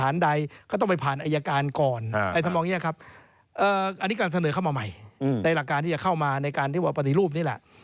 เราก็บอกว่าอย่างนี้ได้ไหมล่ะ